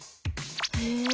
へえ。